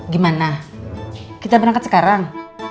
gimana kita berangkat sekarang